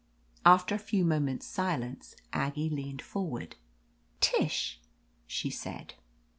After a few moments' silence Aggie leaned forward. "Tish," she said.